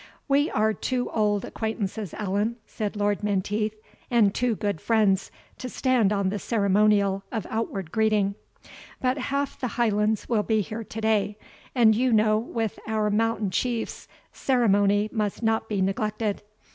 "We are too old acquaintances, Allan," said Lord Menteith, "and too good friends, to stand on the ceremonial of outward greeting; but half the Highlands will be here to day, and you know, with our mountain Chiefs, ceremony must not be neglected.